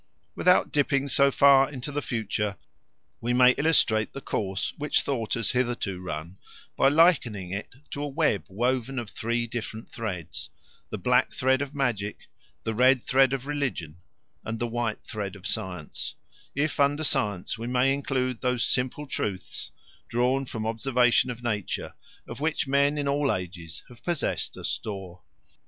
Without dipping so far into the future, we may illustrate the course which thought has hitherto run by likening it to a web woven of three different threads the black thread of magic, the red thread of religion, and the white thread of science, if under science we may include those simple truths, drawn from observation of nature, of which men in all ages have possessed a store.